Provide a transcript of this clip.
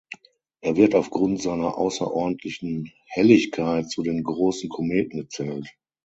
Er wird aufgrund seiner außerordentlichen Helligkeit zu den „Großen Kometen“ gezählt.